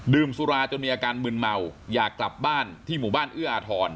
สุราจนมีอาการมึนเมาอยากกลับบ้านที่หมู่บ้านเอื้ออาทร